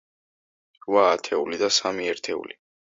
რვა ათეული და სამი ერთეული.